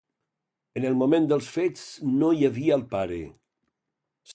En el moment dels fets no hi havia el pare.